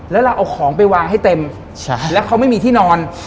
แล้วเราเอาของไปวางให้เต็มแล้วเขาไม่มีที่นอน